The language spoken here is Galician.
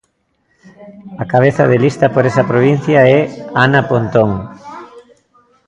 A cabeza de lista por esa provincia é Ana Pontón.